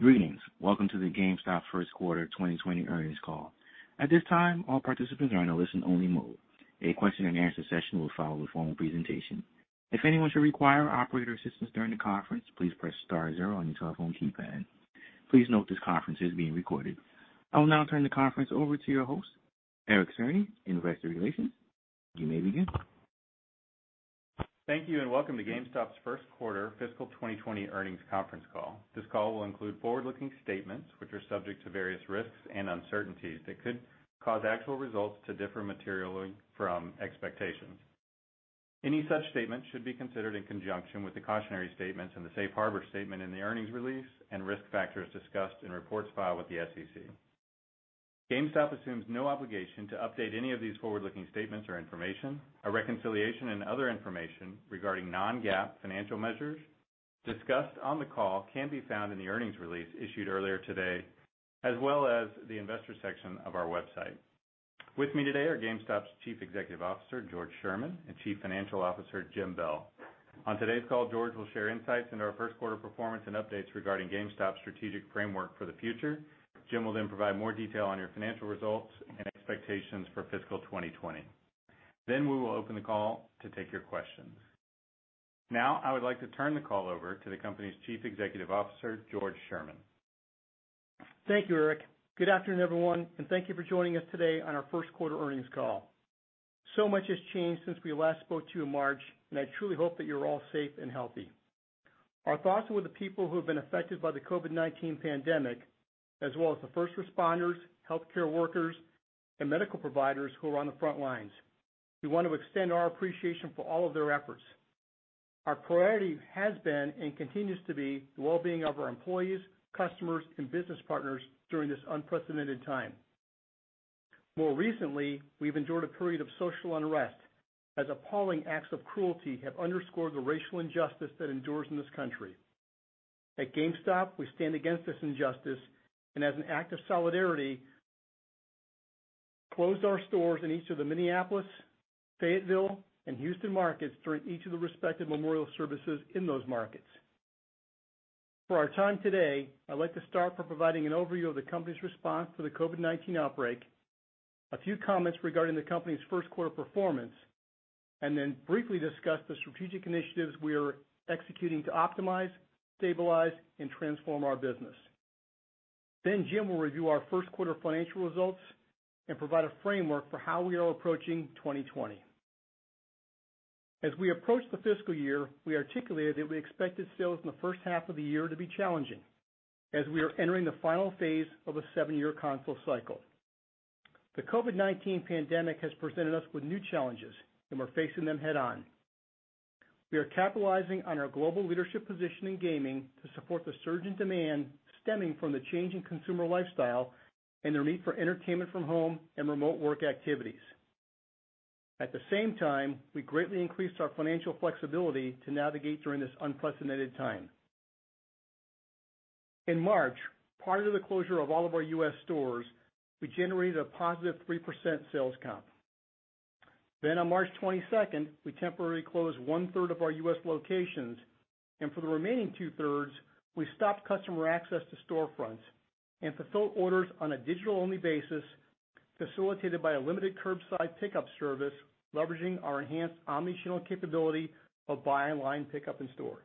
Greetings. Welcome to the GameStop first quarter 2020 earnings call. At this time, all participants are in a listen-only mode. A question and answer session will follow the formal presentation. If anyone should require operator assistance during the conference, please press star zero on your telephone keypad. Please note this conference is being recorded. I will now turn the conference over to your host, Eric Cerny, Investor Relations. You may begin. Thank you, and welcome to GameStop's first quarter fiscal 2020 earnings conference call. This call will include forward-looking statements, which are subject to various risks and uncertainties that could cause actual results to differ materially from expectations. Any such statements should be considered in conjunction with the cautionary statements and the safe harbor statement in the earnings release and risk factors discussed in reports filed with the SEC. GameStop assumes no obligation to update any of these forward-looking statements or information. A reconciliation and other information regarding non-GAAP financial measures discussed on the call can be found in the earnings release issued earlier today, as well as the investor section of our website. With me today are GameStop's Chief Executive Officer, George Sherman, and Chief Financial Officer, Jim Bell. On today's call, George will share insights into our first quarter performance and updates regarding GameStop's strategic framework for the future. Jim will provide more detail on our financial results and expectations for fiscal 2020. We will open the call to take your questions. I would like to turn the call over to the company's Chief Executive Officer, George Sherman. Thank you, Eric. Good afternoon, everyone, and thank you for joining us today on our first quarter earnings call. Much has changed since we last spoke to you in March, and I truly hope that you're all safe and healthy. Our thoughts are with the people who have been affected by the COVID-19 pandemic, as well as the first responders, healthcare workers, and medical providers who are on the front lines. We want to extend our appreciation for all of their efforts. Our priority has been and continues to be the well-being of our employees, customers, and business partners during this unprecedented time. More recently, we've endured a period of social unrest, as appalling acts of cruelty have underscored the racial injustice that endures in this country. At GameStop, we stand against this injustice, and as an act of solidarity, closed our stores in each of the Minneapolis, Fayetteville, and Houston markets during each of the respective memorial services in those markets. For our time today, I'd like to start by providing an overview of the company's response to the COVID-19 outbreak, a few comments regarding the company's first quarter performance, and then briefly discuss the strategic initiatives we are executing to optimize, stabilize, and transform our business. Jim will review our first quarter financial results and provide a framework for how we are approaching 2020. As we approached the fiscal year, we articulated that we expected sales in the first half of the year to be challenging, as we are entering the final phase of a seven-year console cycle. The COVID-19 pandemic has presented us with new challenges, and we're facing them head-on. We are capitalizing on our global leadership position in gaming to support the surge in demand stemming from the change in consumer lifestyle and their need for entertainment from home and remote work activities. At the same time, we greatly increased our financial flexibility to navigate during this unprecedented time. In March, prior to the closure of all of our U.S. stores, we generated a positive 3% sales comp. On March 22nd, we temporarily closed one-third of our U.S. locations, and for the remaining two-thirds, we stopped customer access to storefronts and fulfilled orders on a digital-only basis, facilitated by a limited curbside pickup service leveraging our enhanced omni-channel capability of buy online, pickup in store.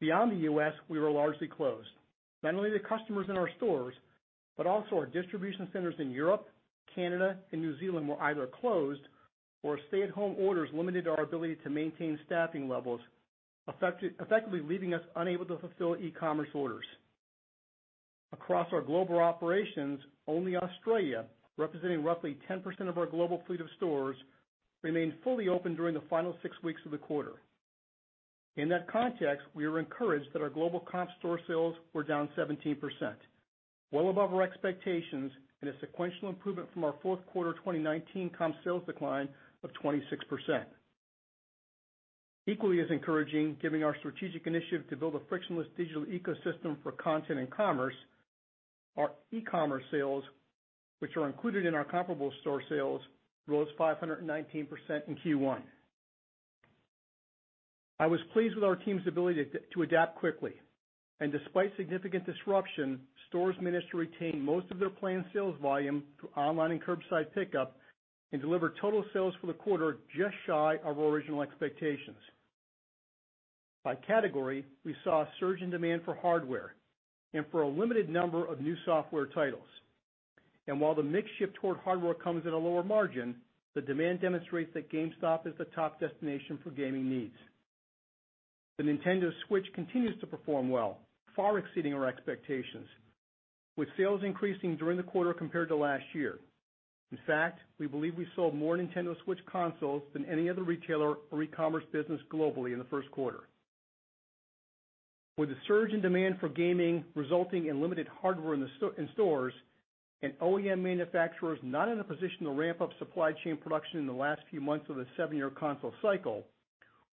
Beyond the U.S., we were largely closed. Not only to customers in our stores, but also our distribution centers in Europe, Canada, and New Zealand were either closed or stay-at-home orders limited our ability to maintain staffing levels, effectively leaving us unable to fulfill e-commerce orders. Across our global operations, only Australia, representing roughly 10% of our global fleet of stores, remained fully open during the final six weeks of the quarter. In that context, we were encouraged that our global comp store sales were down 17%, well above our expectations and a sequential improvement from our fourth quarter 2019 comp sales decline of 26%. Equally as encouraging, given our strategic initiative to build a frictionless digital ecosystem for content and commerce, our e-commerce sales, which are included in our comparable store sales, rose 519% in Q1. I was pleased with our team's ability to adapt quickly, despite significant disruption, stores managed to retain most of their planned sales volume through online and curbside pickup and deliver total sales for the quarter just shy of original expectations. By category, we saw a surge in demand for hardware and for a limited number of new software titles. While the mix shift toward hardware comes at a lower margin, the demand demonstrates that GameStop is the top destination for gaming needs. The Nintendo Switch continues to perform well, far exceeding our expectations, with sales increasing during the quarter compared to last year. In fact, we believe we sold more Nintendo Switch consoles than any other retailer or e-commerce business globally in the first quarter. With the surge in demand for gaming resulting in limited hardware in stores and OEM manufacturers not in a position to ramp up supply chain production in the last few months of the seven-year console cycle,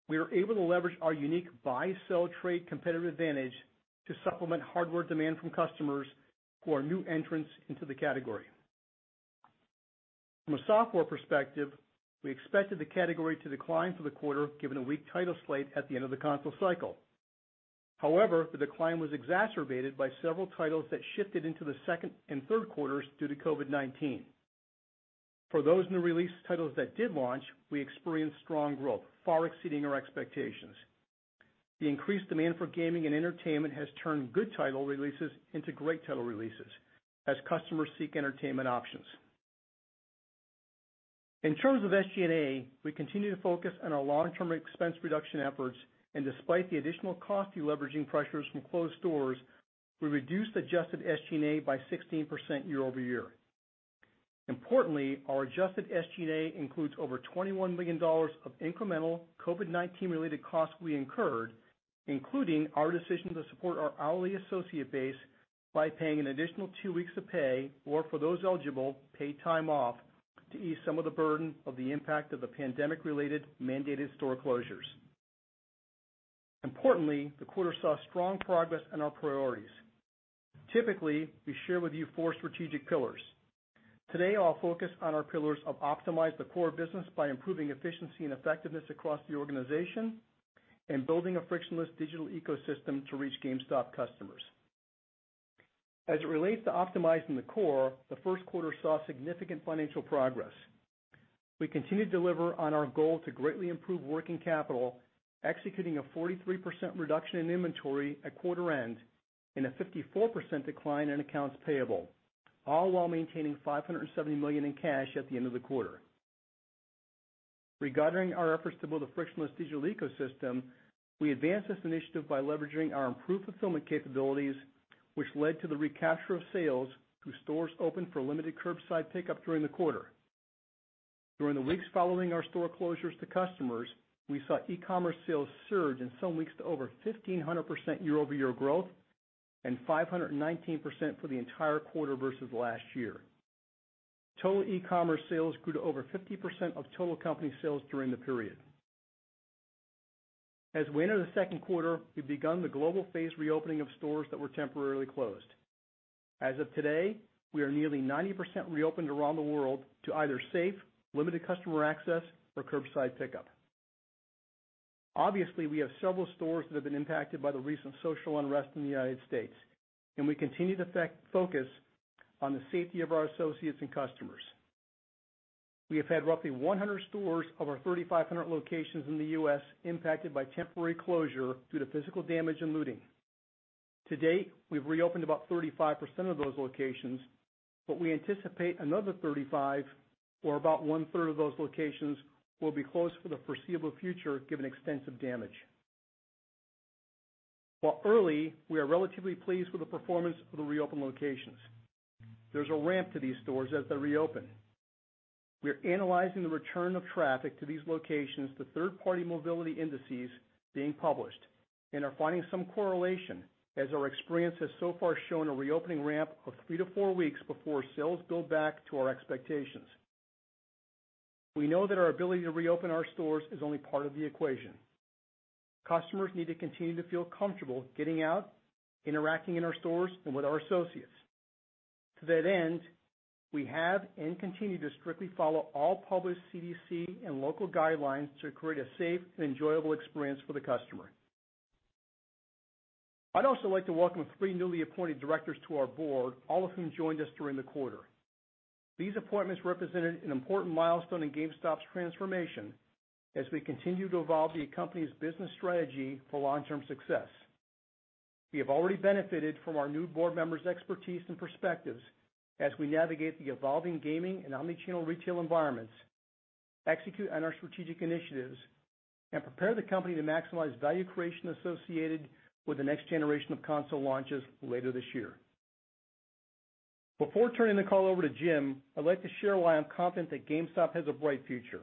we were able to leverage our unique buy, sell, trade competitive advantage to supplement hardware demand from customers who are new entrants into the category. From a software perspective, we expected the category to decline for the quarter, given a weak title slate at the end of the console cycle. However, the decline was exacerbated by several titles that shifted into the second and third quarters due to COVID-19. For those new release titles that did launch, we experienced strong growth, far exceeding our expectations. The increased demand for gaming and entertainment has turned good title releases into great title releases as customers seek entertainment options. In terms of SG&A, we continue to focus on our long-term expense reduction efforts, and despite the additional cost de-leveraging pressures from closed stores, we reduced adjusted SG&A by 16% year-over-year. Importantly, our adjusted SG&A includes over $21 million of incremental COVID-19 related costs we incurred, including our decision to support our hourly associate base by paying an additional two weeks of pay, or for those eligible, paid time off, to ease some of the burden of the impact of the pandemic-related mandated store closures. Importantly, the quarter saw strong progress in our priorities. Typically, we share with you four strategic pillars. Today, I'll focus on our pillars of Optimize the Core Business by improving efficiency and effectiveness across the organization and Building a Frictionless Digital Ecosystem to reach GameStop customers. As it relates to Optimizing the Core, the first quarter saw significant financial progress. We continue to deliver on our goal to greatly improve working capital, executing a 43% reduction in inventory at quarter end and a 54% decline in accounts payable, all while maintaining $570 million in cash at the end of the quarter. Regarding our efforts to build a frictionless digital ecosystem, we advanced this initiative by leveraging our improved fulfillment capabilities, which led to the recapture of sales through stores open for limited curbside pickup during the quarter. During the weeks following our store closures to customers, we saw e-commerce sales surge in some weeks to over 1,500% year-over-year growth and 519% for the entire quarter versus last year. Total e-commerce sales grew to over 50% of total company sales during the period. As we enter the second quarter, we've begun the global phased reopening of stores that were temporarily closed. As of today, we are nearly 90% reopened around the world to either safe, limited customer access or curbside pickup. Obviously, we have several stores that have been impacted by the recent social unrest in the United States, and we continue to focus on the safety of our associates and customers. We have had roughly 100 stores of our 3,500 locations in the U.S. impacted by temporary closure due to physical damage and looting. To date, we've reopened about 35% of those locations, but we anticipate another 35 or about one-third of those locations will be closed for the foreseeable future, given extensive damage. While early, we are relatively pleased with the performance of the reopened locations. There's a ramp to these stores as they reopen. We are analyzing the return of traffic to these locations to third-party mobility indices being published and are finding some correlation as our experience has so far shown a reopening ramp of three to four weeks before sales build back to our expectations. We know that our ability to reopen our stores is only part of the equation. Customers need to continue to feel comfortable getting out, interacting in our stores, and with our associates. To that end, we have and continue to strictly follow all published CDC and local guidelines to create a safe and enjoyable experience for the customer. I'd also like to welcome three newly appointed directors to our board, all of whom joined us during the quarter. These appointments represented an important milestone in GameStop's transformation as we continue to evolve the company's business strategy for long-term success. We have already benefited from our new board members' expertise and perspectives as we navigate the evolving gaming and omni-channel retail environments, execute on our strategic initiatives, and prepare the company to maximize value creation associated with the next generation of console launches later this year. Before turning the call over to Jim, I'd like to share why I'm confident that GameStop has a bright future.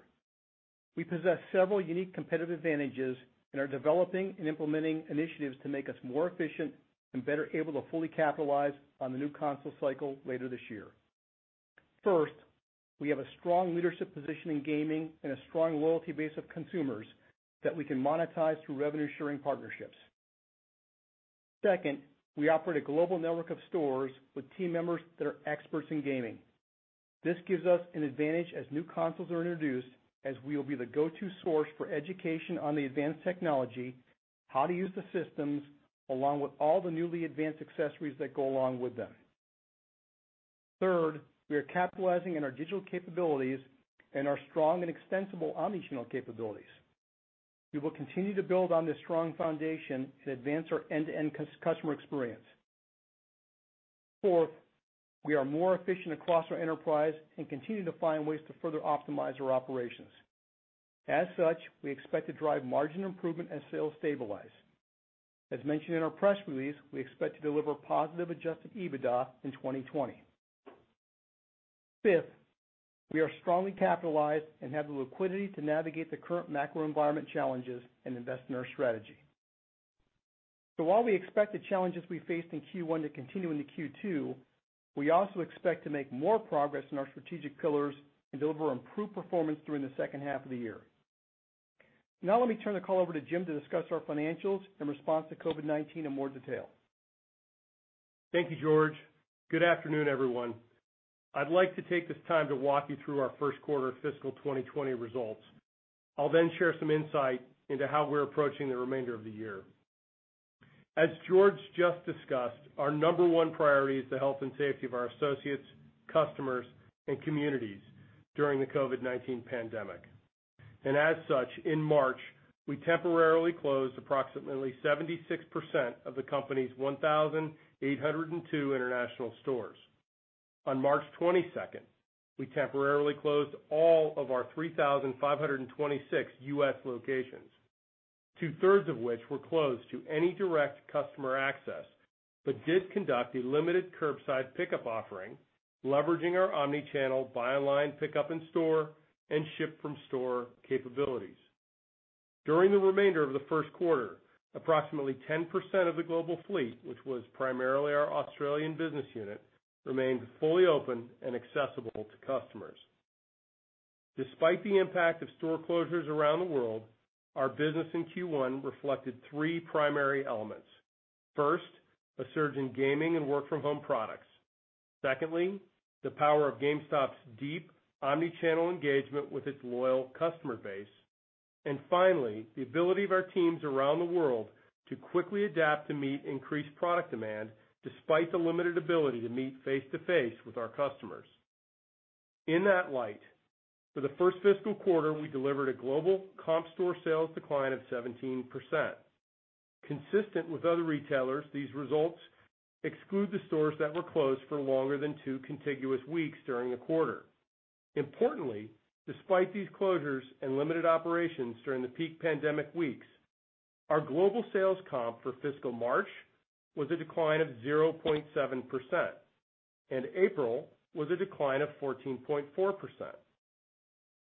We possess several unique competitive advantages and are developing and implementing initiatives to make us more efficient and better able to fully capitalize on the new console cycle later this year. First, we have a strong leadership position in gaming and a strong loyalty base of consumers that we can monetize through revenue-sharing partnerships. Second, we operate a global network of stores with team members that are experts in gaming. This gives us an advantage as new consoles are introduced, as we will be the go-to source for education on the advanced technology, how to use the systems, along with all the newly advanced accessories that go along with them. Third, we are capitalizing on our digital capabilities and our strong and extensible omni-channel capabilities. We will continue to build on this strong foundation and advance our end-to-end customer experience. Fourth, we are more efficient across our enterprise and continue to find ways to further optimize our operations. As such, we expect to drive margin improvement as sales stabilize. As mentioned in our press release, we expect to deliver positive adjusted EBITDA in 2020. Fifth, we are strongly capitalized and have the liquidity to navigate the current macro environment challenges and invest in our strategy. While we expect the challenges we faced in Q1 to continue into Q2, we also expect to make more progress in our strategic pillars and deliver improved performance during the second half of the year. Now let me turn the call over to Jim to discuss our financials in response to COVID-19 in more detail. Thank you, George. Good afternoon, everyone. I'd like to take this time to walk you through our first quarter fiscal 2020 results. I'll share some insight into how we're approaching the remainder of the year. As George just discussed, our number one priority is the health and safety of our associates, customers, and communities during the COVID-19 pandemic. As such, in March, we temporarily closed approximately 76% of the company's 1,802 international stores. On March 22nd, we temporarily closed all of our 3,526 U.S. locations, 2/3 of which were closed to any direct customer access, but did conduct a limited curbside pickup offering, leveraging our omni-channel buy online, pickup in store, and ship from store capabilities. During the remainder of the first quarter, approximately 10% of the global fleet, which was primarily our Australian business unit, remained fully open and accessible to customers. Despite the impact of store closures around the world, our business in Q1 reflected three primary elements. First, a surge in gaming and work from home products. Secondly, the power of GameStop's deep omni-channel engagement with its loyal customer base. Finally, the ability of our teams around the world to quickly adapt to meet increased product demand, despite the limited ability to meet face-to-face with our customers. In that light, for the first fiscal quarter, we delivered a global comp store sales decline of 17%. Consistent with other retailers, these results exclude the stores that were closed for longer than two contiguous weeks during the quarter. Importantly, despite these closures and limited operations during the peak pandemic weeks, our global sales comp for fiscal March was a decline of 0.7%, and April was a decline of 14.4%.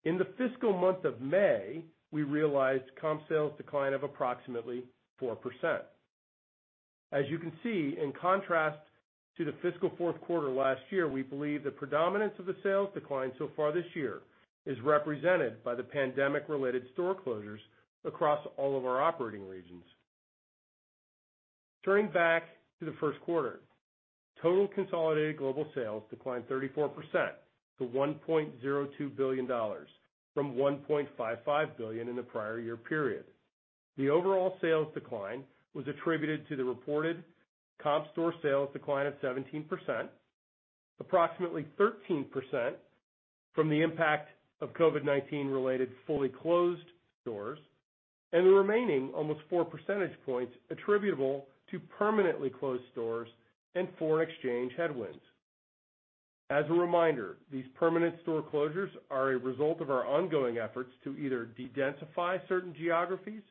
In the fiscal month of May, we realized comp sales decline of approximately 4%. As you can see, in contrast to the fiscal fourth quarter last year, we believe the predominance of the sales decline so far this year is represented by the pandemic-related store closures across all of our operating regions. Turning back to the first quarter, total consolidated global sales declined 34% to $1.02 billion, from $1.55 billion in the prior year period. The overall sales decline was attributed to the reported comp store sales decline of 17%, approximately 13% from the impact of COVID-19 related fully closed stores, and the remaining almost four percentage points attributable to permanently closed stores and foreign exchange headwinds. As a reminder, these permanent store closures are a result of our ongoing efforts to either de-densify certain geographies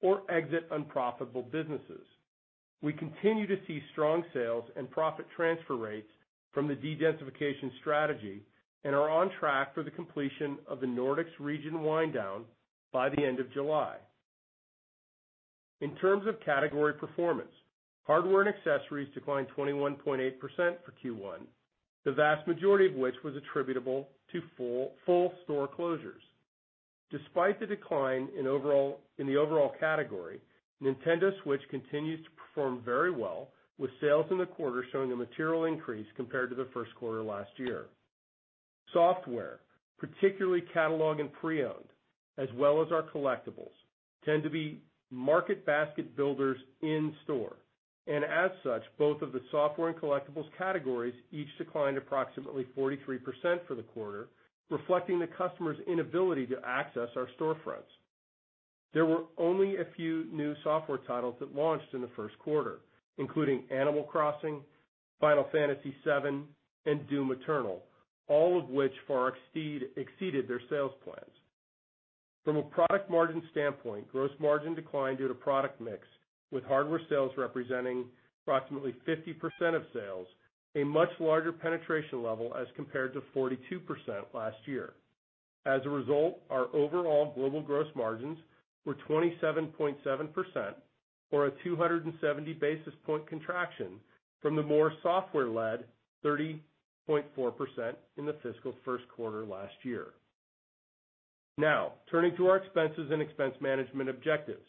or exit unprofitable businesses. We continue to see strong sales and profit transfer rates from the de-densification strategy and are on track for the completion of the Nordics region wind down by the end of July. In terms of category performance, hardware and accessories declined 21.8% for Q1, the vast majority of which was attributable to full store closures. Despite the decline in the overall category, Nintendo Switch continues to perform very well, with sales in the quarter showing a material increase compared to the first quarter last year. Software, particularly catalog and pre-owned, as well as our collectibles, tend to be market basket builders in store, and as such, both of the software and collectibles categories each declined approximately 43% for the quarter, reflecting the customer's inability to access our storefronts. There were only a few new software titles that launched in the first quarter, including "Animal Crossing," "Final Fantasy VII," and "DOOM Eternal," all of which far exceeded their sales plans. From a product margin standpoint, gross margin declined due to product mix, with hardware sales representing approximately 50% of sales, a much larger penetration level as compared to 42% last year. As a result, our overall global gross margins were 27.7%, or a 270 basis point contraction from the more software-led 30.4% in the fiscal first quarter last year. Now, turning to our expenses and expense management objectives.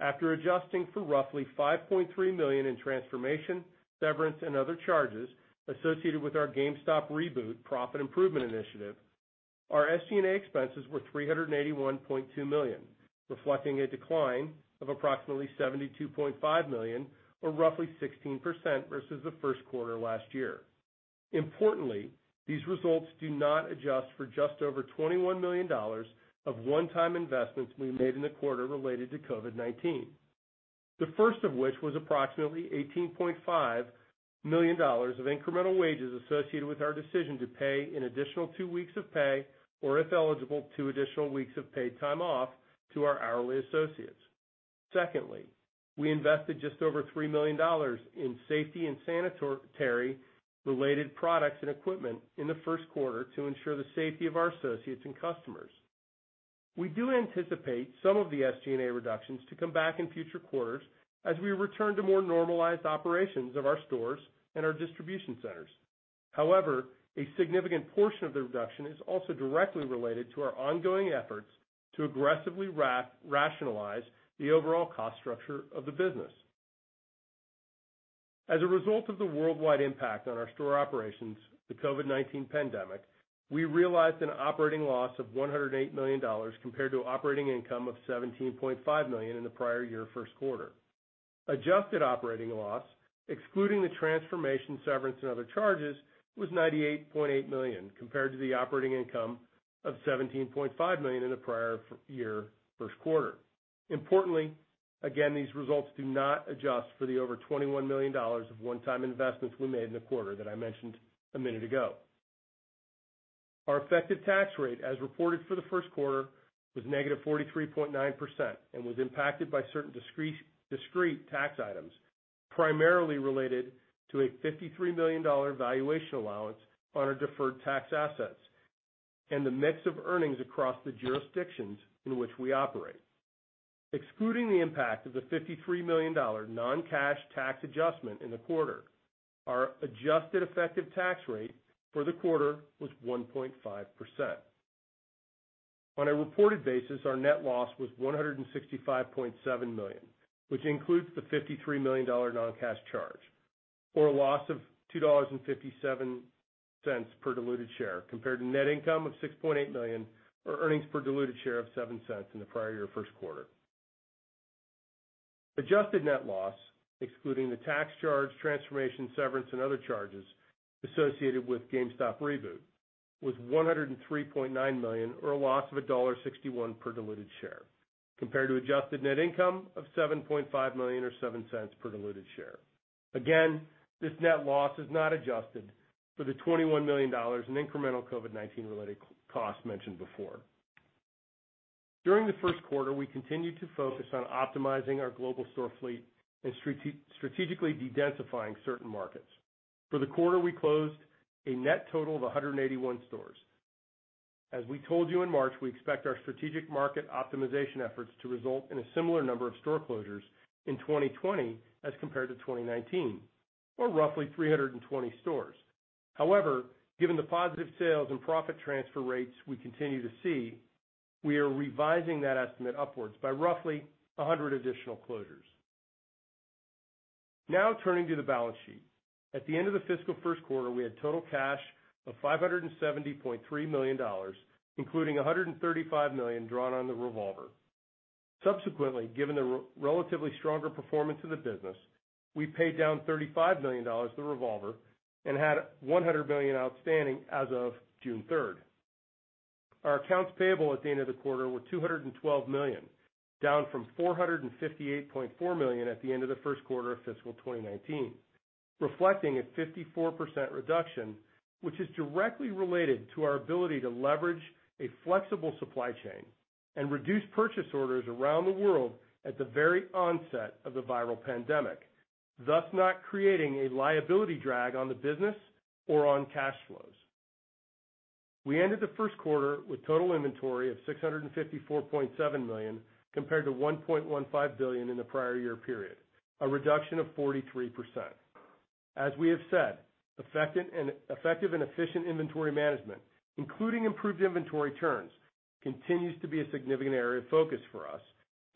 After adjusting for roughly $5.3 million in transformation, severance, and other charges associated with our GameStop Reboot profit improvement initiative, our SG&A expenses were $381.2 million, reflecting a decline of approximately $72.5 million or roughly 16% versus the first quarter last year. These results do not adjust for just over $21 million of one-time investments we made in the quarter related to COVID-19. The first of which was approximately $18.5 million of incremental wages associated with our decision to pay an additional two weeks of pay, or if eligible, two additional weeks of paid time off to our hourly associates. We invested just over $3 million in safety and sanitary related products and equipment in the first quarter to ensure the safety of our associates and customers. We do anticipate some of the SG&A reductions to come back in future quarters as we return to more normalized operations of our stores and our distribution centers. A significant portion of the reduction is also directly related to our ongoing efforts to aggressively rationalize the overall cost structure of the business. As a result of the worldwide impact on our store operations, the COVID-19 pandemic, we realized an operating loss of $108 million compared to operating income of $17.5 million in the prior year first quarter. Adjusted operating loss, excluding the transformation severance and other charges, was $98.8 million compared to the operating income of $17.5 million in the prior year first quarter. Importantly, again, these results do not adjust for the over $21 million of one-time investments we made in the quarter that I mentioned a minute ago. Our effective tax rate, as reported for the first quarter, was negative 43.9% and was impacted by certain discrete tax items, primarily related to a $53 million valuation allowance on our deferred tax assets and the mix of earnings across the jurisdictions in which we operate. Excluding the impact of the $53 million non-cash tax adjustment in the quarter, our adjusted effective tax rate for the quarter was 1.5%. On a reported basis, our net loss was $165.7 million, which includes the $53 million non-cash charge, or a loss of $2.57 per diluted share, compared to net income of $6.8 million, or earnings per diluted share of $0.07 in the prior year first quarter. Adjusted net loss, excluding the tax charge, transformation severance, and other charges associated with GameStop Reboot, was $103.9 million, or a loss of $1.61 per diluted share, compared to adjusted net income of $7.5 million or $0.07 per diluted share. Again, this net loss is not adjusted for the $21 million in incremental COVID-19-related costs mentioned before. During the first quarter, we continued to focus on optimizing our global store fleet and strategically de-densifying certain markets. For the quarter, we closed a net total of 181 stores. As we told you in March, we expect our strategic market optimization efforts to result in a similar number of store closures in 2020 as compared to 2019, or roughly 320 stores. Given the positive sales and profit transfer rates we continue to see, we are revising that estimate upwards by roughly 100 additional closures. Turning to the balance sheet. At the end of the fiscal first quarter, we had total cash of $570.3 million, including $135 million drawn on the revolver. Given the relatively stronger performance of the business, we paid down $35 million of the revolver and had $100 million outstanding as of June 3rd. Our accounts payable at the end of the quarter were $212 million, down from $458.4 million at the end of the first quarter of fiscal 2019, reflecting a 54% reduction, which is directly related to our ability to leverage a flexible supply chain and reduce purchase orders around the world at the very onset of the viral pandemic, thus not creating a liability drag on the business or on cash flows. We ended the first quarter with total inventory of $654.7 million, compared to $1.15 billion in the prior year period, a reduction of 43%. As we have said, effective and efficient inventory management, including improved inventory turns, continues to be a significant area of focus for us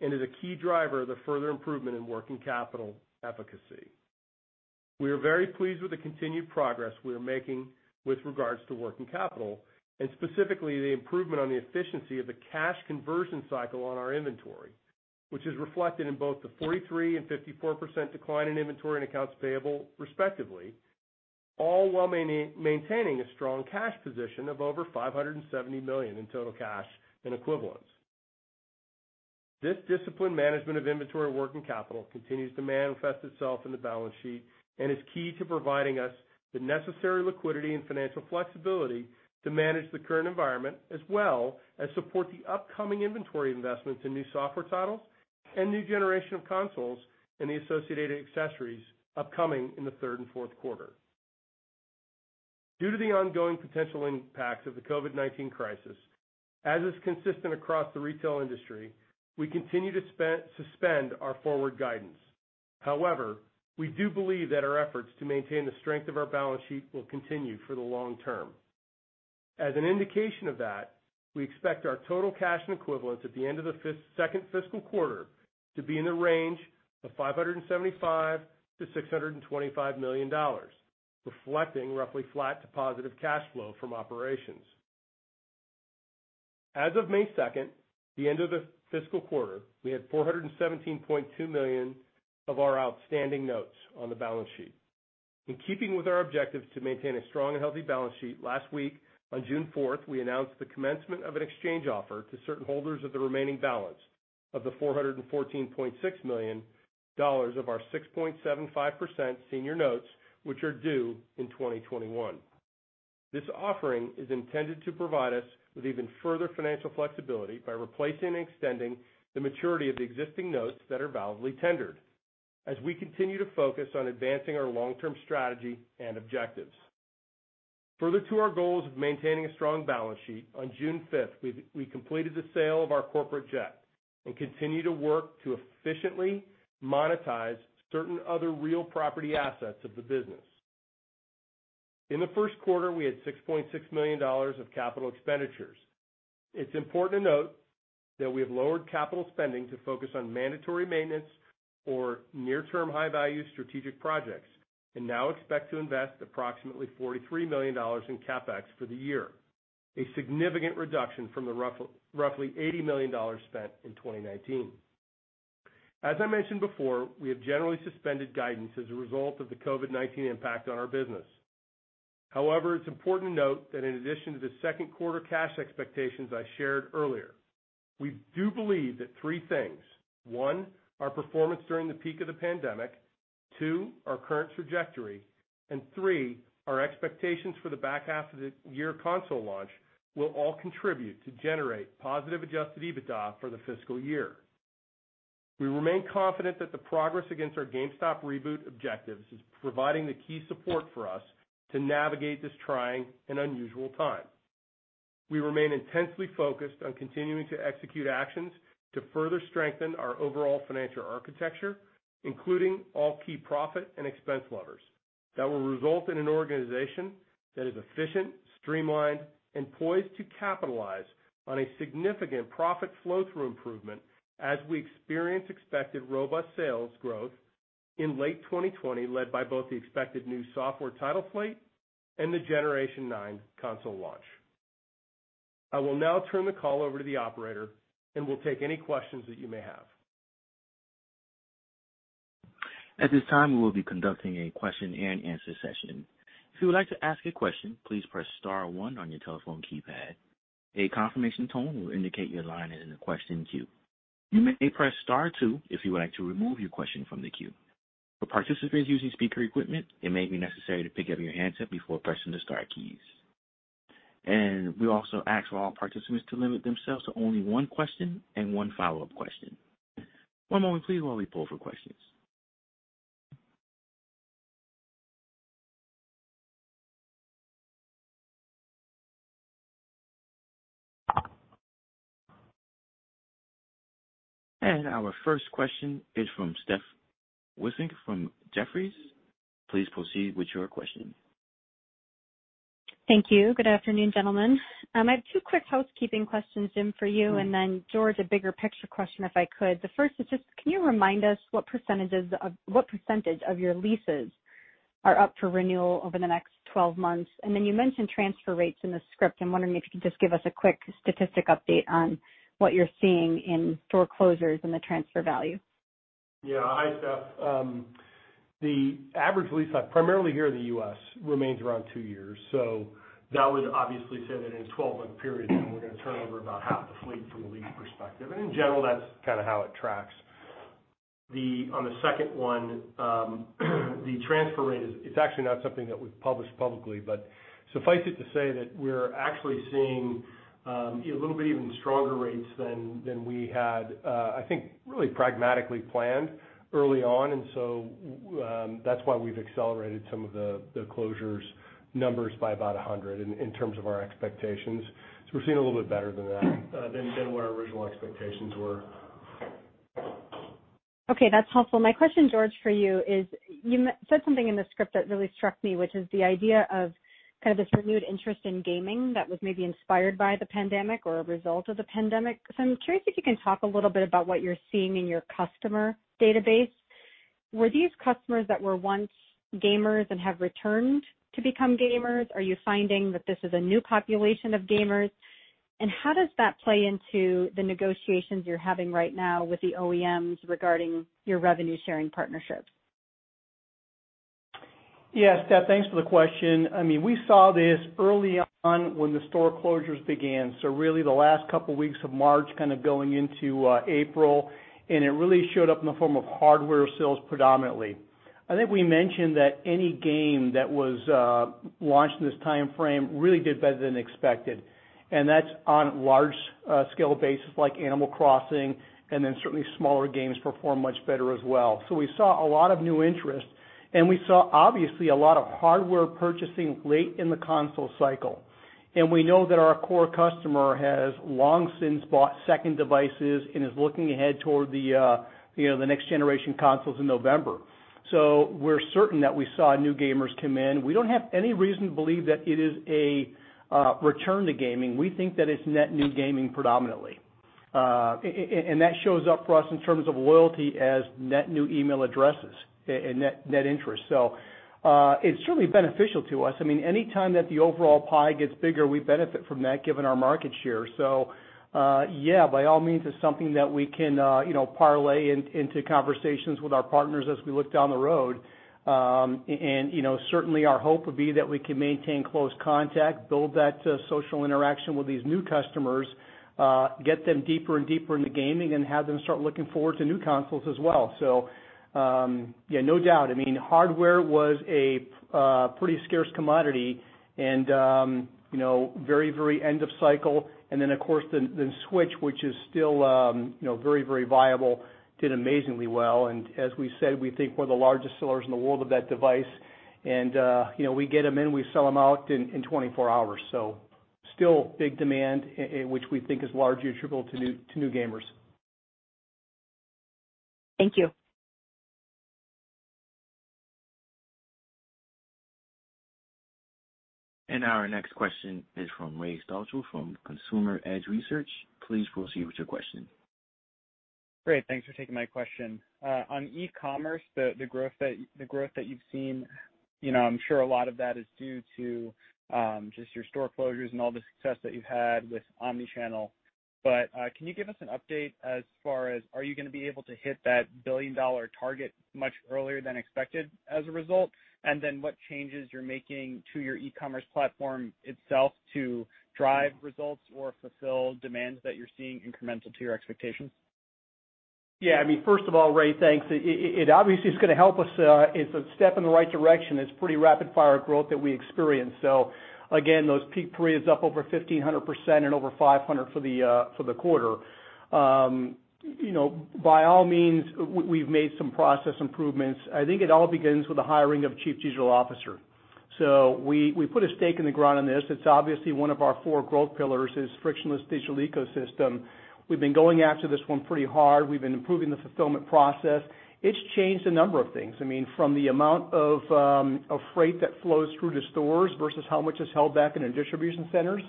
and is a key driver of the further improvement in working capital efficacy. We are very pleased with the continued progress we are making with regards to working capital and specifically the improvement on the efficiency of the cash conversion cycle on our inventory, which is reflected in both the 43% and 54% decline in inventory and accounts payable, respectively, all while maintaining a strong cash position of over $570 million in total cash and equivalents. This disciplined management of inventory working capital continues to manifest itself in the balance sheet and is key to providing us the necessary liquidity and financial flexibility to manage the current environment, as well as support the upcoming inventory investments in new software titles and new generation of consoles and the associated accessories upcoming in the third and fourth quarter. Due to the ongoing potential impacts of the COVID-19 crisis, as is consistent across the retail industry, we continue to suspend our forward guidance. However, we do believe that our efforts to maintain the strength of our balance sheet will continue for the long term. As an indication of that, we expect our total cash and equivalents at the end of the second fiscal quarter to be in the range of $575 million-$625 million, reflecting roughly flat to positive cash flow from operations. As of May 2nd, the end of the fiscal quarter, we had $417.2 million of our outstanding notes on the balance sheet. In keeping with our objective to maintain a strong and healthy balance sheet, last week, on June 4th, we announced the commencement of an exchange offer to certain holders of the remaining balance of the $414.6 million of our 6.75% senior notes, which are due in 2021. This offering is intended to provide us with even further financial flexibility by replacing and extending the maturity of the existing notes that are validly tendered as we continue to focus on advancing our long-term strategy and objectives. Further to our goals of maintaining a strong balance sheet, on June 5th, we completed the sale of our corporate jet. Continue to work to efficiently monetize certain other real property assets of the business. In the first quarter, we had $6.6 million of capital expenditures. It's important to note that we have lowered capital spending to focus on mandatory maintenance or near-term high-value strategic projects and now expect to invest approximately $43 million in CapEx for the year, a significant reduction from the roughly $80 million spent in 2019. As I mentioned before, we have generally suspended guidance as a result of the COVID-19 impact on our business. However, it is important to note that in addition to the second quarter cash expectations I shared earlier, we do believe that three things, one, our performance during the peak of the pandemic, two, our current trajectory, and three, our expectations for the back half of the year console launch, will all contribute to generate positive adjusted EBITDA for the fiscal year. We remain confident that the progress against our GameStop Reboot objectives is providing the key support for us to navigate this trying and unusual time. We remain intensely focused on continuing to execute actions to further strengthen our overall financial architecture, including all key profit and expense levers that will result in an organization that is efficient, streamlined, and poised to capitalize on a significant profit flow-through improvement as we experience expected robust sales growth in late 2020, led by both the expected new software title fleet and the Generation Nine console launch. I will now turn the call over to the operator, and we'll take any questions that you may have. At this time, we will be conducting a question and answer session. If you would like to ask a question, please press star one on your telephone keypad. A confirmation tone will indicate your line is in the question queue. You may press star two if you would like to remove your question from the queue. For participants using speaker equipment, it may be necessary to pick up your handset before pressing the star keys. We also ask for all participants to limit themselves to only one question and one follow-up question. One moment please while we poll for questions. Our first question is from Steph Wissink from Jefferies. Please proceed with your question. Thank you. Good afternoon, gentlemen. I have two quick housekeeping questions, Jim, for you, and then George, a bigger picture question, if I could. The first is just can you remind us what percentage of your leases are up for renewal over the next 12 months? You mentioned transfer rates in the script. I'm wondering if you could just give us a quick statistic update on what you're seeing in store closures and the transfer value. Yeah. Hi, Steph. The average lease, primarily here in the U.S., remains around two years. That would obviously say that in a 12-month period, we're going to turn over about half the fleet from a leasing perspective. In general, that's kind of how it tracks. On the second one, the transfer rate is actually not something that we've published publicly, but suffice it to say that we're actually seeing a little bit even stronger rates than we had, I think really pragmatically planned early on. So that's why we've accelerated some of the closures numbers by about 100 in terms of our expectations. We're seeing a little bit better than that, than what our original expectations were. Okay, that's helpful. My question, George, for you is, you said something in the script that really struck me, which is the idea of this renewed interest in gaming that was maybe inspired by the pandemic or a result of the pandemic. I'm curious if you can talk a little bit about what you're seeing in your customer database. Were these customers that were once gamers and have returned to become gamers? Are you finding that this is a new population of gamers? How does that play into the negotiations you're having right now with the OEMs regarding your revenue-sharing partnerships? Yeah, Steph, thanks for the question. We saw this early on when the store closures began, so really the last couple of weeks of March going into April, and it really showed up in the form of hardware sales predominantly. I think we mentioned that any game that was launched in this timeframe really did better than expected, and that's on large scale basis like Animal Crossing, and then certainly smaller games performed much better as well. We saw a lot of new interest, and we saw, obviously, a lot of hardware purchasing late in the console cycle. We know that our core customer has long since bought second devices and is looking ahead toward the next generation consoles in November. We're certain that we saw new gamers come in. We don't have any reason to believe that it is a return to gaming. We think that it's net new gaming predominantly. That shows up for us in terms of loyalty as net new email addresses and net interest. It's certainly beneficial to us. Anytime that the overall pie gets bigger, we benefit from that given our market share. Yeah, by all means, it's something that we can parlay into conversations with our partners as we look down the road. Certainly, our hope would be that we can maintain close contact, build that social interaction with these new customers, get them deeper and deeper into gaming, and have them start looking forward to new consoles as well. No doubt. Hardware was a pretty scarce commodity and very end of cycle. Then, of course, the Switch, which is still very viable, did amazingly well. As we said, we think we're the largest sellers in the world of that device. We get them in, we sell them out in 24 hours. Still big demand, which we think is largely attributable to new gamers. Thank you. Our next question is from Ray Stochel from Consumer Edge Research. Please proceed with your question. Great. Thanks for taking my question. On e-commerce, the growth that you've seen, I'm sure a lot of that is due to just your store closures and all the success that you've had with omni-channel. Can you give us an update as far as are you going to be able to hit that $1 billion target much earlier than expected as a result? What changes you're making to your e-commerce platform itself to drive results or fulfill demands that you're seeing incremental to your expectations? I mean, first of all, Ray, thanks. It obviously is going to help us. It's a step in the right direction. It's pretty rapid fire growth that we experienced. Again, those peak periods up over 1,500% and over 500% for the quarter. By all means, we've made some process improvements. I think it all begins with the hiring of chief digital officer. We put a stake in the ground on this. It's obviously one of our four growth pillars is frictionless digital ecosystem. We've been going after this one pretty hard. We've been improving the fulfillment process. It's changed a number of things. I mean, from the amount of freight that flows through the stores versus how much is held back in our distribution centers.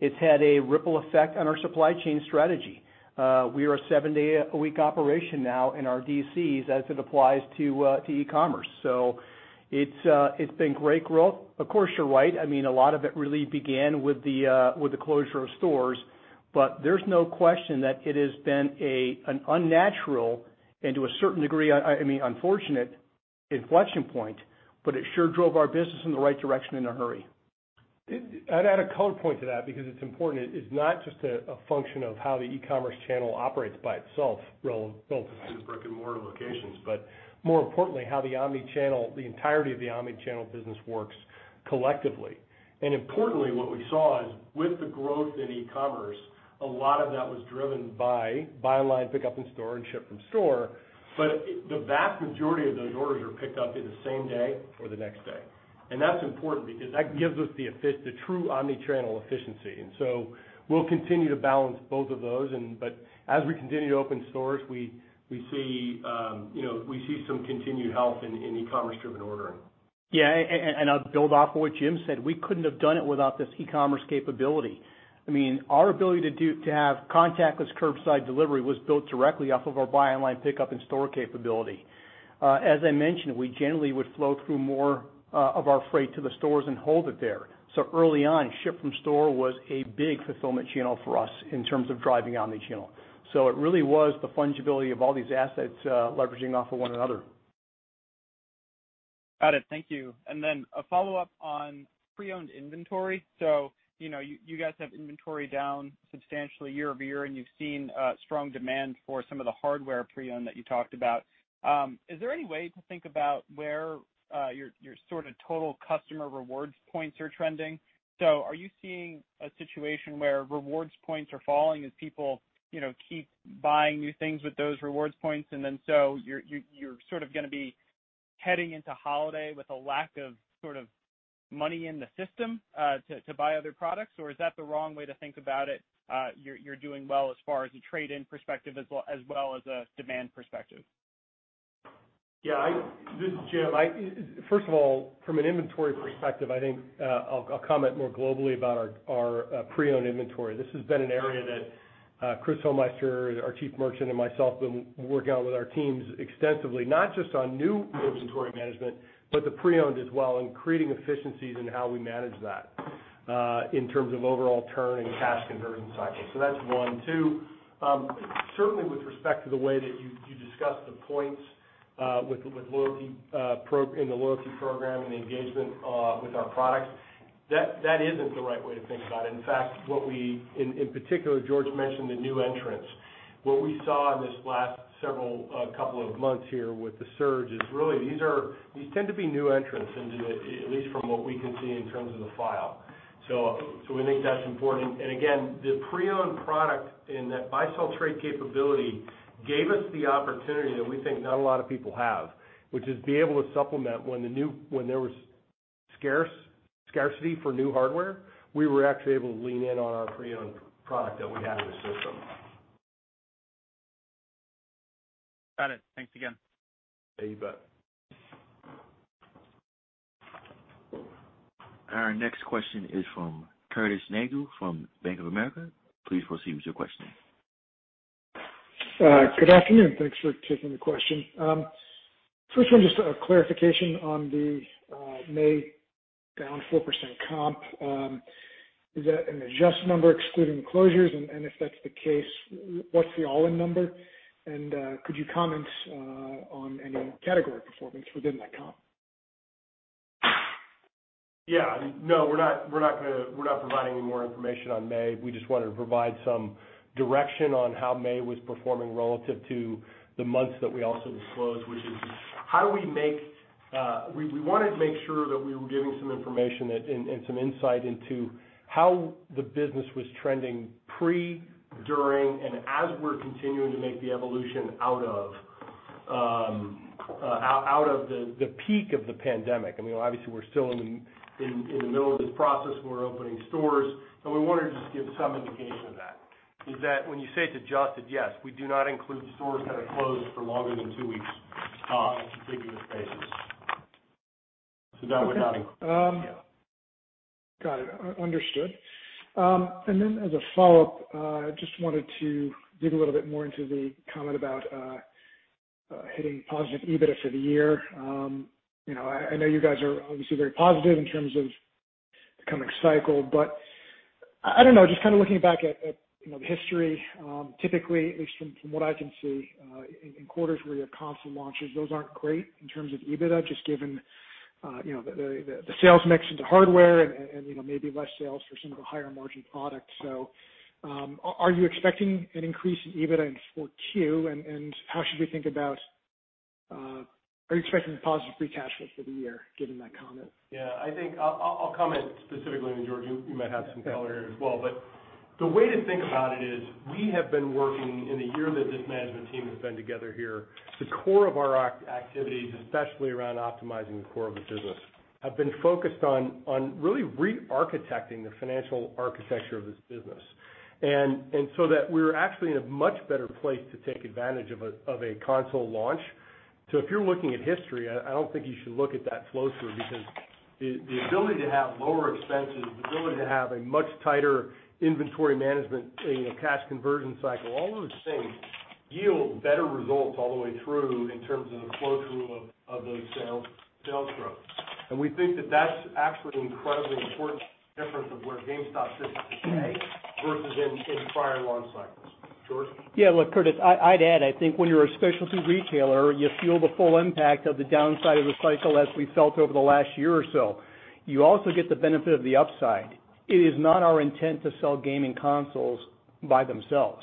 It's had a ripple effect on our supply chain strategy. We are a seven-day-a-week operation now in our DCs as it applies to e-commerce. It's been great growth. Of course, you're right. I mean, a lot of it really began with the closure of stores, but there's no question that it has been an unnatural and, to a certain degree, unfortunate inflection point, but it sure drove our business in the right direction in a hurry. I'd add a counterpoint to that because it's important. It's not just a function of how the e-commerce channel operates by itself relative to the brick-and-mortar locations, but more importantly, how the entirety of the omni-channel business works collectively. Importantly, what we saw is with the growth in e-commerce, a lot of that was driven by buy online, pick up in store, and ship from store. The vast majority of those orders are picked up either same day or the next day. That's important because that gives us the true omni-channel efficiency. We'll continue to balance both of those but as we continue to open stores, we see some continued health in e-commerce driven ordering. I'll build off of what Jim said. We couldn't have done it without this e-commerce capability. I mean, our ability to have contactless curbside delivery was built directly off of our buy online, pick up in store capability. As I mentioned, we generally would flow through more of our freight to the stores and hold it there. Early on, ship from store was a big fulfillment channel for us in terms of driving omni-channel. It really was the fungibility of all these assets leveraging off of one another. Got it. Thank you. Then a follow-up on pre-owned inventory. You guys have inventory down substantially year over year, and you've seen strong demand for some of the hardware pre-owned that you talked about. Is there any way to think about where your sort of total customer rewards points are trending? Are you seeing a situation where rewards points are falling as people keep buying new things with those rewards points, and then so you're sort of going to be heading into holiday with a lack of sort of money in the system to buy other products? Is that the wrong way to think about it? You're doing well as far as a trade-in perspective as well as a demand perspective. This is Jim. First of all, from an inventory perspective, I think I'll comment more globally about our pre-owned inventory. This has been an area that Chris Homeister, our Chief Merchant, and myself been working on with our teams extensively, not just on new inventory management, but the pre-owned as well, and creating efficiencies in how we manage that, in terms of overall turn and cash conversion cycles. That's one. Two, certainly with respect to the way that you discussed the points in the loyalty program and the engagement with our products, that isn't the right way to think about it. In fact, in particular, George mentioned the new entrants. What we saw in this last couple of months here with the surge is really these tend to be new entrants, at least from what we can see in terms of the file. We think that's important. Again, the pre-owned product and that buy sell trade capability gave us the opportunity that we think not a lot of people have, which is be able to supplement when there was scarcity for new hardware, we were actually able to lean in on our pre-owned product that we had in the system. Got it. Thanks again. You bet. Our next question is from Curtis Nagle from Bank of America. Please proceed with your question. Good afternoon. Thanks for taking the question. First one, just a clarification on the May down 4% comp. Is that an adjusted number excluding closures? If that's the case, what's the all-in number? Could you comment on any category performance within that comp? Yeah. No, we're not providing any more information on May. We just wanted to provide some direction on how May was performing relative to the months that we also disclosed, which is we wanted to make sure that we were giving some information and some insight into how the business was trending pre, during, and as we're continuing to make the evolution out of the peak of the pandemic. Obviously, we're still in the middle of this process, and we're opening stores, but we wanted to just give some indication of that. Is that when you say it's adjusted? Yes. We do not include stores that are closed for longer than two weeks on a contiguous basis. That we're not including. Yeah. Got it. Understood. As a follow-up, just wanted to dig a little bit more into the comment about hitting positive EBITDA for the year. I know you guys are obviously very positive in terms of the coming cycle, but I don't know, just looking back at the history, typically, at least from what I can see, in quarters where you have console launches, those aren't great in terms of EBITDA, just given the sales mix into hardware and maybe less sales for some of the higher margin products. Are you expecting an increase in EBITDA in 4Q? How should we think about, are you expecting positive free cash flow for the year, given that comment? Yeah, I'll comment specifically on George. You might have some color here as well. The way to think about it is we have been working, in the year that this management team has been together here, the core of our activities, especially around optimizing the core of the business, have been focused on really re-architecting the financial architecture of this business, that we're actually in a much better place to take advantage of a console launch. If you're looking at history, I don't think you should look at that flow through, because the ability to have lower expenses, the ability to have a much tighter inventory management, cash conversion cycle, all those things yield better results all the way through in terms of the flow through of those sales growth. We think that that's actually an incredibly important difference of where GameStop sits today versus in prior launch cycles. George? Look, Curtis, I'd add, I think when you're a specialty retailer, you feel the full impact of the downside of the cycle as we felt over the last year or so. You also get the benefit of the upside. It is not our intent to sell gaming consoles by themselves.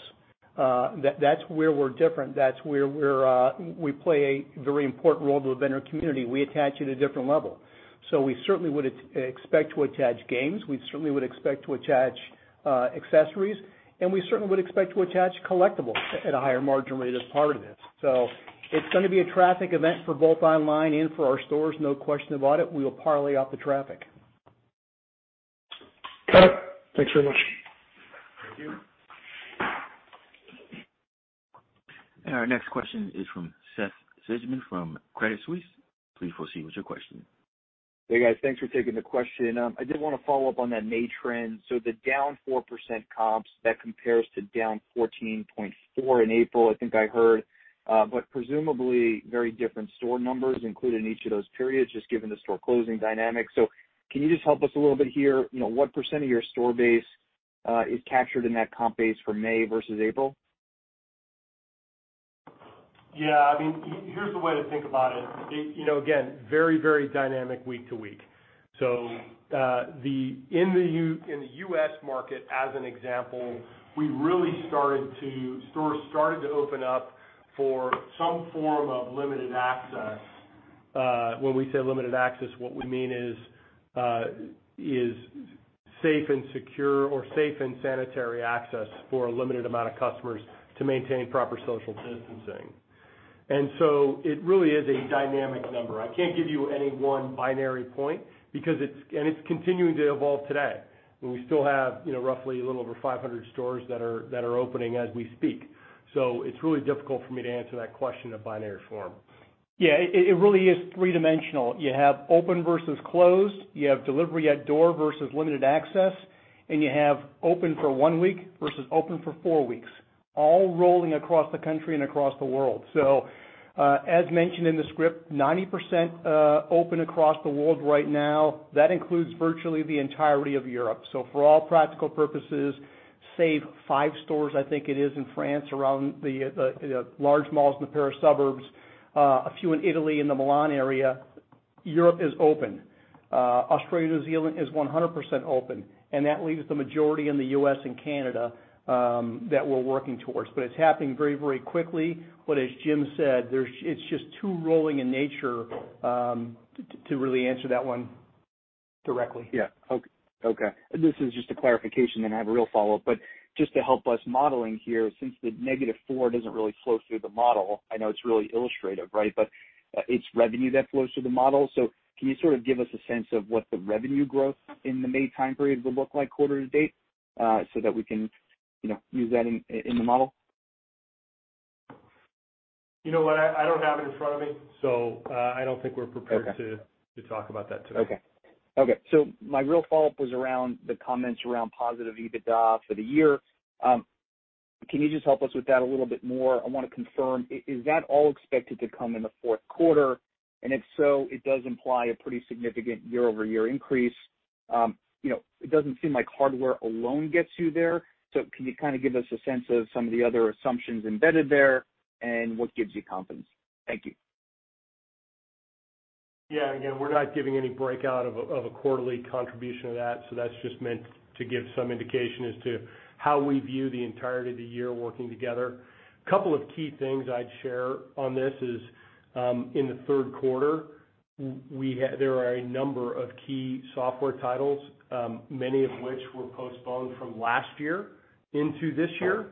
That's where we're different. That's where we play a very important role to the vendor community. We attach at a different level. We certainly would expect to attach games, we certainly would expect to attach accessories, and we certainly would expect to attach collectibles at a higher margin rate as part of this. It's going to be a traffic event for both online and for our stores, no question about it. We will parlay off the traffic. Got it. Thanks very much. Thank you. Our next question is from Seth Sigman from Credit Suisse. Please proceed with your question. Hey, guys. Thanks for taking the question. I did want to follow up on that May trend. The down 4% comps, that compares to down 14.4% in April, I think I heard. Presumably very different store numbers included in each of those periods, just given the store closing dynamics. Can you just help us a little bit here, what percent of your store base is captured in that comp base for May versus April? Yeah, here's the way to think about it. Again, very dynamic week to week. In the U.S. market, as an example, stores started to open up for some form of limited access. When we say limited access, what we mean is safe and secure or safe and sanitary access for a limited amount of customers to maintain proper social distancing. It really is a dynamic number. I can't give you any one binary point because it's continuing to evolve today. We still have roughly a little over 500 stores that are opening as we speak. It's really difficult for me to answer that question in binary form. Yeah, it really is three-dimensional. You have open versus closed, you have delivery at door versus limited access, and you have open for one week versus open for four weeks, all rolling across the country and across the world. As mentioned in the script, 90% open across the world right now. That includes virtually the entirety of Europe. For all practical purposes, save five stores, I think it is, in France, around the large malls in the Paris suburbs, a few in Italy in the Milan area, Europe is open. Australia, New Zealand is 100% open, and that leaves the majority in the U.S. and Canada that we're working towards. It's happening very quickly. As Jim said, it's just too rolling in nature to really answer that one directly. Yeah. Okay. This is just a clarification, then I have a real follow-up. Just to help us modeling here, since the -4 doesn't really flow through the model, I know it's really illustrative, right? It's revenue that flows through the model. Can you give us a sense of what the revenue growth in the May time period would look like quarter to date so that we can use that in the model? You know what, I don't have it in front of me, so I don't think we're prepared to talk about that today. Okay. My real follow-up was around the comments around positive EBITDA for the year. Can you just help us with that a little bit more? I want to confirm, is that all expected to come in the fourth quarter? If so, it does imply a pretty significant year-over-year increase. It doesn't seem like hardware alone gets you there. Can you give us a sense of some of the other assumptions embedded there and what gives you confidence? Thank you. Again, we're not giving any breakout of a quarterly contribution of that. That's just meant to give some indication as to how we view the entirety of the year working together. Couple of key things I'd share on this is, in the third quarter. There are a number of key software titles, many of which were postponed from last year into this year.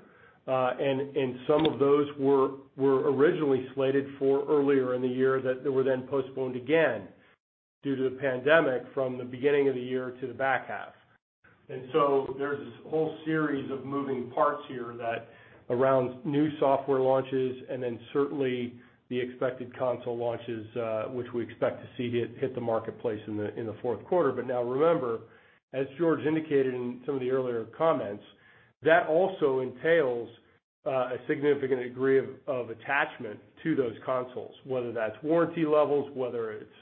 Some of those were originally slated for earlier in the year that were then postponed again due to the pandemic from the beginning of the year to the back half. There's this whole series of moving parts here that around new software launches, and then certainly the expected console launches, which we expect to see hit the marketplace in the fourth quarter. Now remember, as George indicated in some of the earlier comments, that also entails a significant degree of attachment to those consoles, whether that's warranty levels, whether it's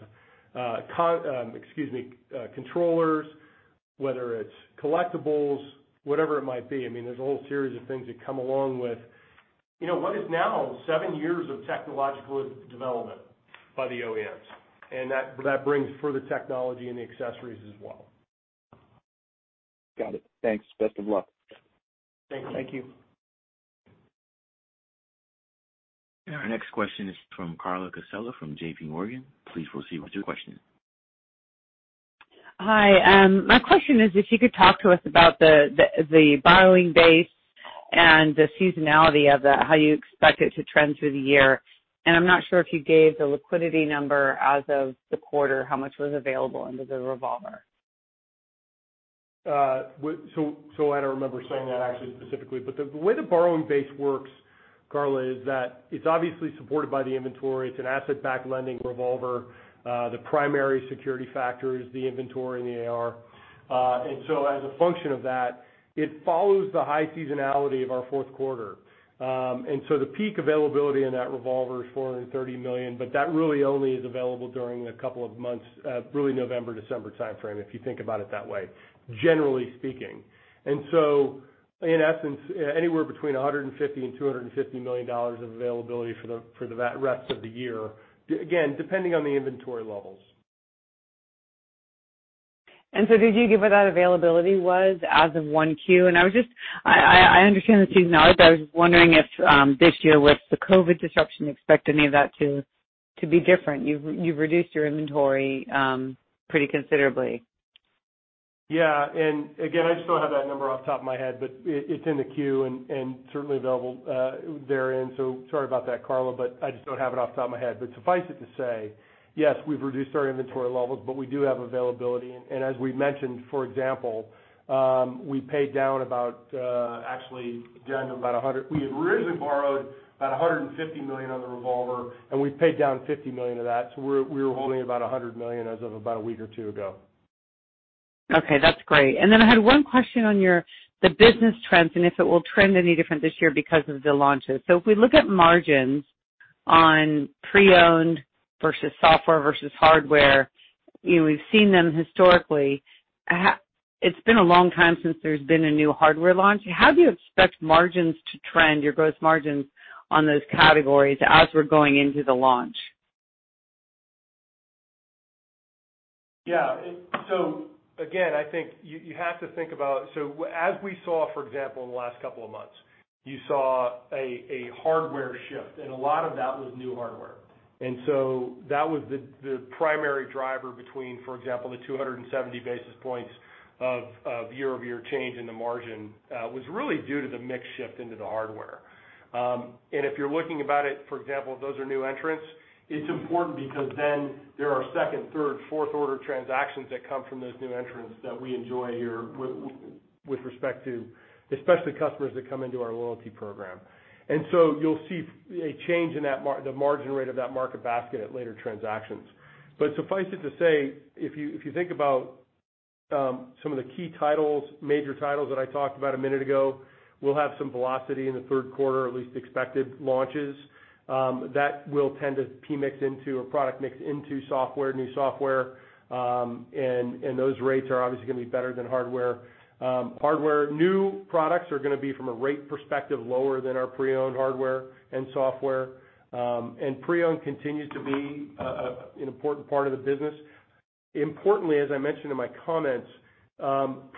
controllers, whether it's collectibles, whatever it might be. There's a whole series of things that come along with what is now seven years of technological development by the OEMs, and that brings further technology and the accessories as well. Got it. Thanks. Best of luck. Thanks. Thank you. Our next question is from Carla Casella from JPMorgan. Please proceed with your question. Hi. My question is if you could talk to us about the borrowing base and the seasonality of that, how you expect it to trend through the year? I'm not sure if you gave the liquidity number as of the quarter, how much was available under the revolver? I don't remember saying that actually specifically, but the way the borrowing base works, Carla, is that it's obviously supported by the inventory. It's an asset-backed lending revolver. The primary security factor is the inventory and the AR. As a function of that, it follows the high seasonality of our fourth quarter. The peak availability in that revolver is $430 million, but that really only is available during a couple of months, really November, December timeframe, if you think about it that way, generally speaking. In essence, anywhere between $150 million-$250 million of availability for the rest of the year, again, depending on the inventory levels. Did you give where that availability was as of 1Q? I understand the seasonality, but I was just wondering if this year with the COVID disruption, you expect any of that to be different. You've reduced your inventory pretty considerably. Yeah. Again, I just don't have that number off the top of my head, but it's in the Q and certainly available therein. Sorry about that, Carla, but I just don't have it off the top of my head. Suffice it to say, yes, we've reduced our inventory levels, but we do have availability. As we've mentioned, for example, we paid down about, actually, [just] about $100 million. We had originally borrowed about $150 million on the revolver, and we've paid down $50 million of that, so we were holding about $100 million as of about a week or two ago. Okay, that's great. I had one question on the business trends and if it will trend any different this year because of the launches. If we look at margins on pre-owned versus software versus hardware, we've seen them historically. It's been a long time since there's been a new hardware launch. How do you expect margins to trend, your gross margins on those categories as we're going into the launch? Again, I think you have to think about. As we saw, for example, in the last couple of months, you saw a hardware shift, and a lot of that was new hardware. That was the primary driver between, for example, the 270 basis points of year-over-year change in the margin was really due to the mix shift into the hardware. If you're looking about it, for example, those are new entrants, it's important because then there are second, third, fourth order transactions that come from those new entrants that we enjoy here with respect to especially customers that come into our loyalty program. You'll see a change in the margin rate of that market basket at later transactions. Suffice it to say, if you think about some of the key titles, major titles that I talked about a minute ago, we'll have some velocity in the third quarter, at least expected launches. That will tend to mix into a product mix into software, new software, and those rates are obviously going to be better than hardware. Hardware, new products are going to be from a rate perspective lower than our pre-owned hardware and software. Pre-owned continues to be an important part of the business. Importantly, as I mentioned in my comments,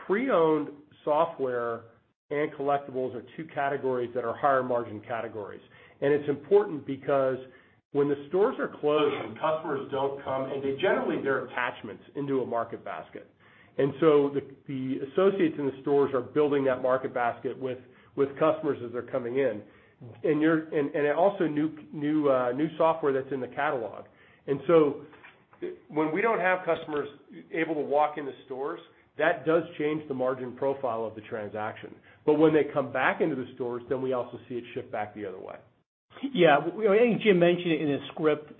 pre-owned software and collectibles are two categories that are higher margin categories. It's important because when the stores are closed and customers don't come, they're attachments into a market basket. The associates in the stores are building that market basket with customers as they're coming in. Also new software that's in the catalog. When we don't have customers able to walk in the stores, that does change the margin profile of the transaction. When they come back into the stores, then we also see it shift back the other way. Yeah. I think Jim mentioned it in his script.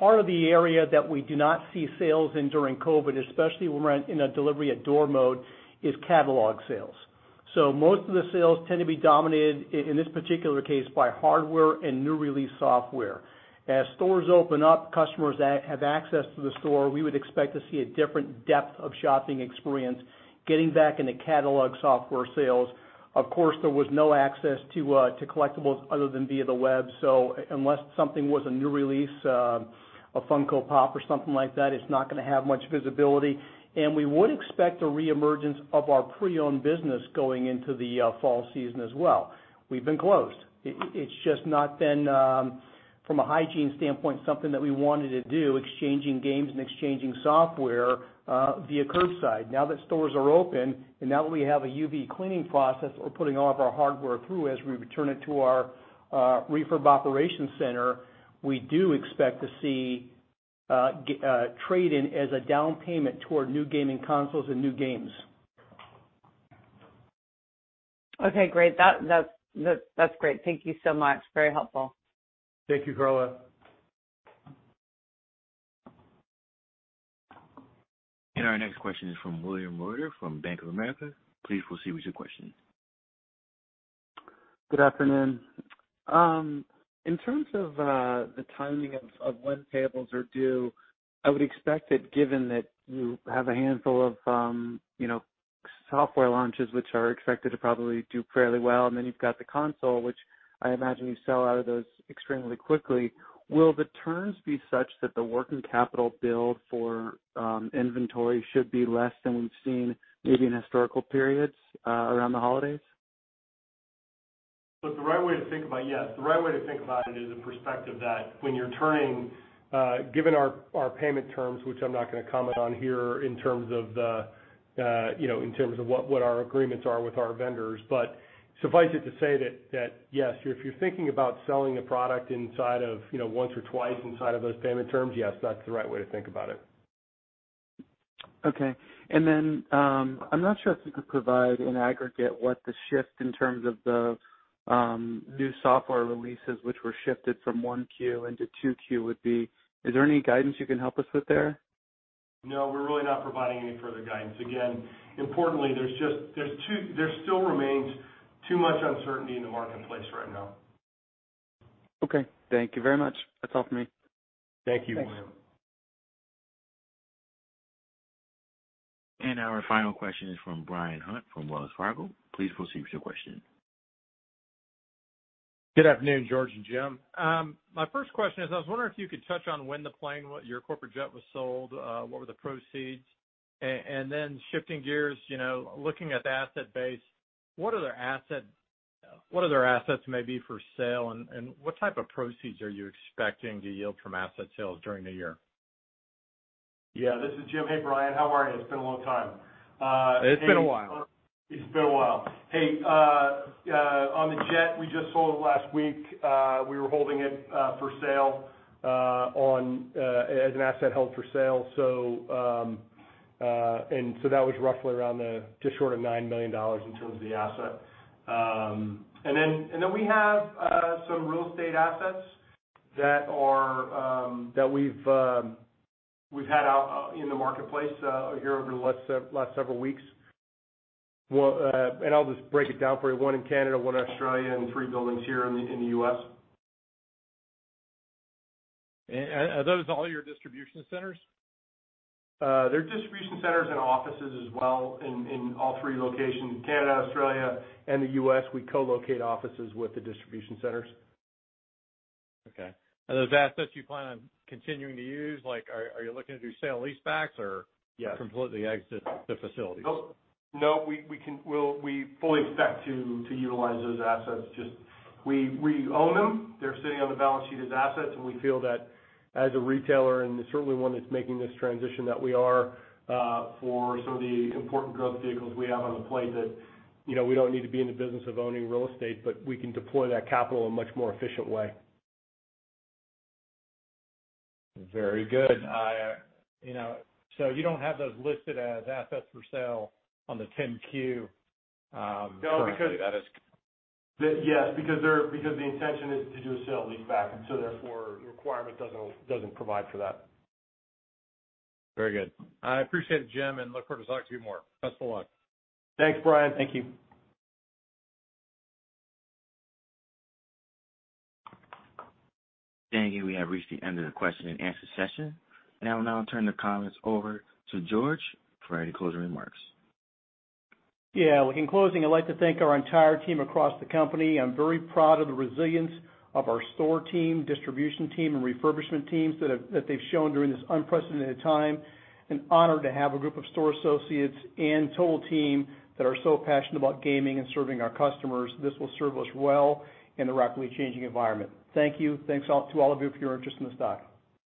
Part of the area that we do not see sales in during COVID-19, especially when we're in a delivery at door mode, is catalog sales. Most of the sales tend to be dominated, in this particular case, by hardware and new release software. As stores open up, customers have access to the store, we would expect to see a different depth of shopping experience getting back into catalog software sales. Of course, there was no access to collectibles other than via the web. Unless something was a new release, a Funko Pop! or something like that, it's not going to have much visibility. We would expect a reemergence of our pre-owned business going into the fall season as well. We've been closed. From a hygiene standpoint, something that we wanted to do, exchanging games and exchanging software via curbside. Now that stores are open, now that we have a UV cleaning process we're putting all of our hardware through as we return it to our refurb operations center, we do expect to see trade-in as a down payment toward new gaming consoles and new games. Okay, great. That's great. Thank you so much. Very helpful. Thank you, Carla. Our next question is from William Reuter from Bank of America. Please proceed with your question. Good afternoon. In terms of the timing of when titles are due, I would expect that given that you have a handful of software launches which are expected to probably do fairly well, and then you've got the console, which I imagine you sell out of those extremely quickly, will the turns be such that the working capital build for inventory should be less than we've seen maybe in historical periods around the holidays? Look, the right way to think about it is the perspective that when you're turning, given our payment terms, which I'm not going to comment on here in terms of what our agreements are with our vendors. Suffice it to say that, yes, if you're thinking about selling a product once or twice inside of those payment terms, yes, that's the right way to think about it. Okay. I'm not sure if you could provide in aggregate what the shift in terms of the new software releases, which were shifted from 1Q into 2Q would be. Is there any guidance you can help us with there? No, we're really not providing any further guidance. Again, importantly, there still remains too much uncertainty in the marketplace right now. Okay. Thank you very much. That's all for me. Thank you, William. Thanks. Our final question is from Bryan Hunt from Wells Fargo. Please proceed with your question. Good afternoon, George and Jim. My first question is, I was wondering if you could touch on when the plane, your corporate jet was sold, what were the proceeds? Shifting gears, looking at the asset base, what other assets may be for sale, and what type of proceeds are you expecting to yield from asset sales during the year? Yeah, this is Jim. Hey, Bryan, how are you? It's been a long time. It's been a while. It's been a while. Hey, on the jet, we just sold it last week. We were holding it for sale as an asset held for sale. That was roughly around just short of $9 million in terms of the asset. We have some real estate assets that we've had out in the marketplace here over the last several weeks. I'll just break it down for you, one in Canada, one in Australia, and three buildings here in the U.S. Are those all your distribution centers? They're distribution centers and offices as well in all three locations. Canada, Australia, and the U.S., we co-locate offices with the distribution centers. Okay. Are those assets you plan on continuing to use? Are you looking to do sale-leasebacks or- Yes. Completely exit the facilities? We fully expect to utilize those assets. We own them. They're sitting on the balance sheet as assets, and we feel that as a retailer, and certainly one that's making this transition that we are for some of the important growth vehicles we have on the plate that we don't need to be in the business of owning real estate, but we can deploy that capital in a much more efficient way. Very good. You don't have those listed as assets for sale on the 10-Q currently? No. Yes, because the intention is to do a sale-leaseback, and so therefore, the requirement doesn't provide for that. Very good. I appreciate it, Jim, and look forward to talking to you more. Best of luck. Thanks, Bryan. Thank you. Thank you. We have reached the end of the question and answer session. I will now turn the comments over to George for any closing remarks. Yeah. Look, in closing, I'd like to thank our entire team across the company. I'm very proud of the resilience of our store team, distribution team, and refurbishment teams that they've shown during this unprecedented time, and honored to have a group of store associates and total team that are so passionate about gaming and serving our customers. This will serve us well in the rapidly changing environment. Thank you. Thanks to all of you for your interest in the stock.